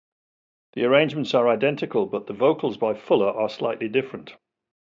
The arrangements are identical but the vocals by Fuller are slightly different.